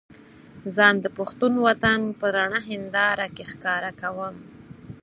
ځان د پښتون وطن په رڼه هينداره کې ښکاره کوم.